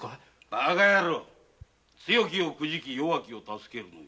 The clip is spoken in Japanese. バカ野郎強きをくじき弱きを助けるのよ。